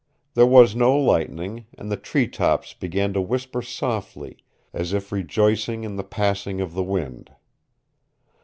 There was no lightning, and the tree tops began to whisper softly, as if rejoicing in the passing of the wind.